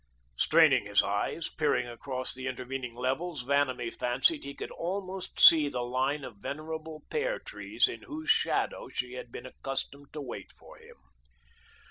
Straining his eyes, peering across the intervening levels, Vanamee fancied he could almost see the line of venerable pear trees in whose shadow she had been accustomed to wait for him.